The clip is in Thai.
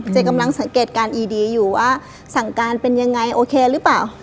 กำลังสังเกตการณอีดีอยู่ว่าสั่งการเป็นยังไงโอเคหรือเปล่า